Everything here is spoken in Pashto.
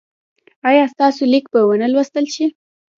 ایا ستاسو لیک به و نه لوستل شي؟